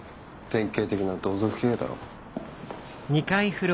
典型的な同族経営だろう。